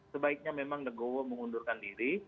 sebaiknya memang negowo mengundurkan diri